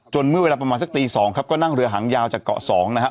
จนเมื่อเวลาประมาณสักตีสองครับก็นั่งเรือหางยาวจากเกาะสองนะฮะ